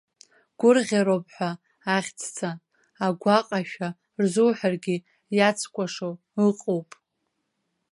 Гәырӷьароуп ҳәа ахьӡҵан, агәаҟашәа рзуҳәаргьы иацкәашо ыҟоуп.